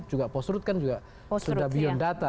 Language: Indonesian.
juga post root kan juga sudah beyond data